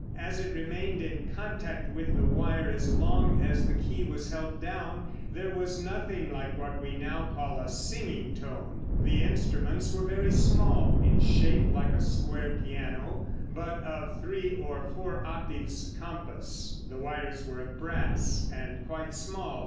As it remained in contact with the wire as long as the key was held down, there was nothing like what we now call a singing tone. The instruments were very small, in shape like a square piano, but of three or four octaves compass; the wires were of brass, and quite small.